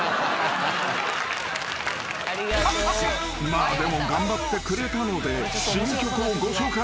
［まあでも頑張ってくれたので新曲をご紹介］